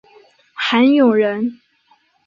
韩永人。